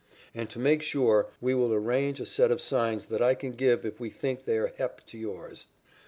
And to make sure we will arrange a set of signs that I can give if we think they are 'hep' to yours."